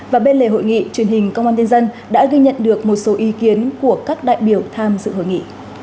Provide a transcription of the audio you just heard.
và bên lề hội nghị truyền hình công an nhân dân đã ghi nhận được một số ý kiến của các đại biểu tham dự hội nghị